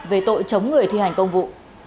về tội chống người thi hành công vụ